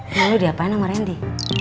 lu diapain sama randy